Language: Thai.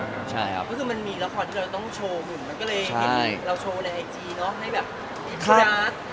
แล้วถ่ายละครมันก็๘๙เดือนอะไรอย่างนี้